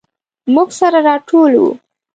موږ سره راټول وو.